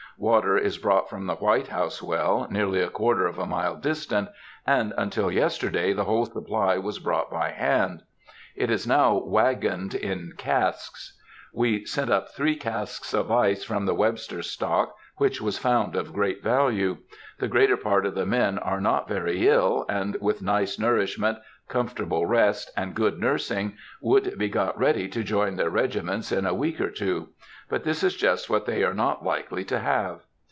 Water is brought from the White House well, nearly a quarter of a mile distant, and until yesterday the whole supply was brought by hand. It is now wagoned in casks. We sent up three casks of ice from the Webster's stock, which was found of great value. The greater part of the men are not very ill, and, with nice nourishment, comfortable rest, and good nursing, would be got ready to join their regiments in a week or two; but this is just what they are not likely to have.